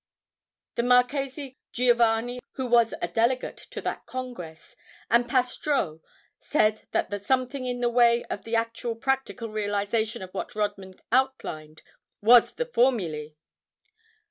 The Marchese Giovanni, who was a delegate to that congress, and Pastreaux, said that the something in the way of an actual practical realization of what Rodman outlined was the formulae.